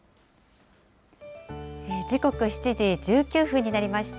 時刻７時１９分になりました。